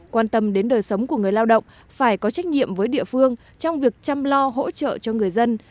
quan tâm đến đời sống của người lao động phải có trách nhiệm với địa phương trong việc chăm lo hỗ trợ cho người dân